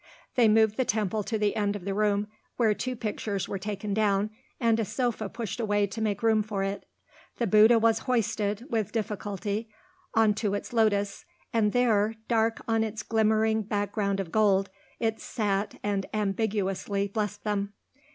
They moved the temple to the end of the room, where two pictures were taken down and a sofa pushed away to make room for it; the Bouddha was hoisted, with difficulty, on to its lotus, and there, dark on its glimmering background of gold, it sat and ambiguously blessed them.